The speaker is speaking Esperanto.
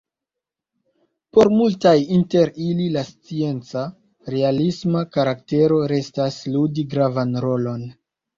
Por multaj inter ili la scienca, "realisma" karaktero restas ludi gravan rolon.